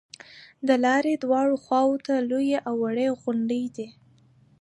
د لارې دواړو خواو ته لویې او وړې غونډې دي.